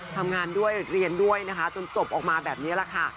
ทำงานด้วยเรียนด้วยนะคะจนจบออกมาแบบนี้แหละค่ะ